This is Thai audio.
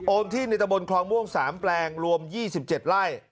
ที่ในตะบนคลองม่วง๓แปลงรวม๒๗ไร่